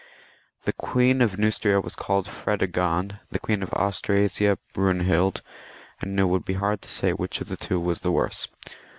The Queen of Neustria was called Fredegond, the Queen of Austrasia Brunehild, and it would he hard to say which of the two was the worse.